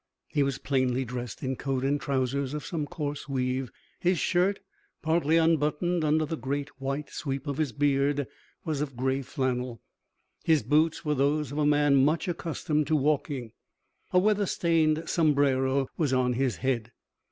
He was plainly dressed in coat and trousers of some coarse weave. His shirt, partly unbuttoned under the great white sweep of his beard, was of gray flannel. His boots were those of a man much accustomed to walking. A weather stained sombrero was on his head.